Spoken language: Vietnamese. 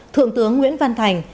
thượng tướng nguyễn văn thành